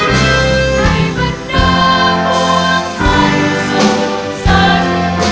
ให้บรรดาพวกท่านสุขสันต์